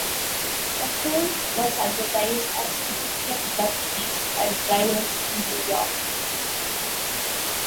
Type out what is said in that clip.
The film was advertised as "Egyptian Blood Feast" at drive-ins in New York.